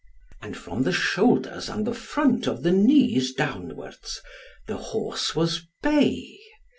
And from the shoulders and the front of the knees downwards the horse was bay.